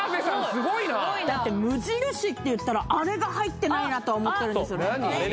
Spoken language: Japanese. すごいなだって無印っていったらあれが入ってないなとあれですよね